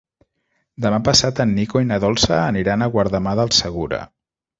Demà passat en Nico i na Dolça aniran a Guardamar del Segura.